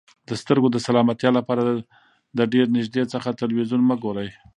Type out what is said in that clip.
د سترګو د سلامتیا لپاره د ډېر نږدې څخه تلویزیون مه ګورئ.